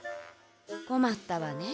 こまったわねえ。